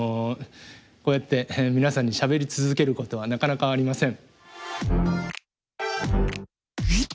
こうやって皆さんにしゃべり続けることはなかなかありません。